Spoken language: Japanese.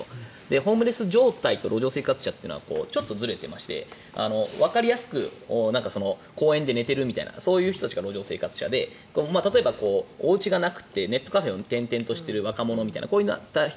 ホームレス状態と路上生活者はちょっとずれていましてわかりやすく公園で寝てるみたいなそういう人たちが路上生活者で例えばおうちがなくてネットカフェを転々としている若者みたいな人。